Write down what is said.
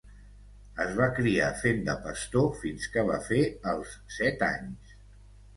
Es va criar fent de pastor fins que va fer els set anys.